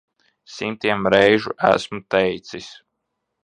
Simtiem reižu esmu teicis.